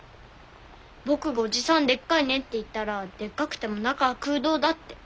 僕がおじさんでっかいねって言ったら「でっかくても中はクウドウだ」って。